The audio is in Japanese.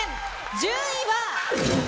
順位は？